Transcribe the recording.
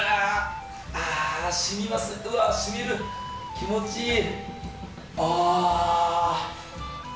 気持ちいい。